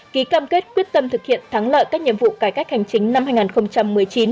ký cam kết quyết tâm thực hiện thắng lợi các nhiệm vụ cải cách hành chính năm hai nghìn một mươi chín